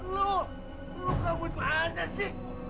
lu kamu itu aja sih